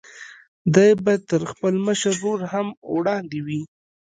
دی به تر خپل مشر ورور هم وړاندې وي.